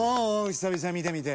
久々見てみて。